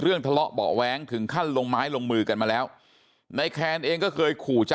ทะเลาะเบาะแว้งถึงขั้นลงไม้ลงมือกันมาแล้วในแคนเองก็เคยขู่จะ